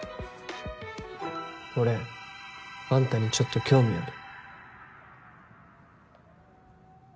俺あんたにちょっと興味ある。